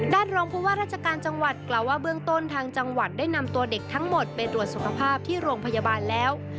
รองผู้ว่าราชการจังหวัดกล่าวว่าเบื้องต้นทางจังหวัดได้นำตัวเด็กทั้งหมดไปตรวจสุขภาพที่โรงพยาบาลแล้ว